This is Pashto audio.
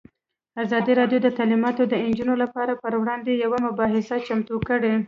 ازادي راډیو د تعلیمات د نجونو لپاره پر وړاندې یوه مباحثه چمتو کړې.